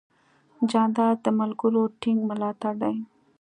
جانداد د ملګرو ټینګ ملاتړ دی.